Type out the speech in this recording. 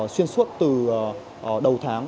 xuyên suốt từ đầu tháng